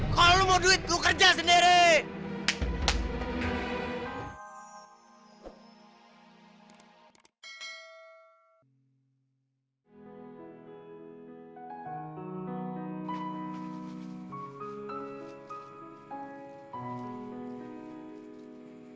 kalo lo mau duit lo kerja sendiri